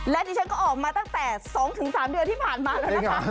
และดิฉันก็ออกมาตั้งแต่๒๓เดือนที่ผ่านมาแล้วนะคะ